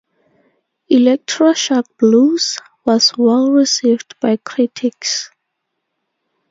"Electro-Shock Blues" was well-received by critics.